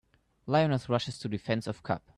Lioness Rushes to Defense of Cub.